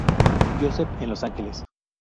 Joseph en Los Angeles.